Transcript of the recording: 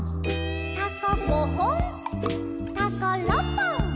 「タコごほん」「タコろっぽん」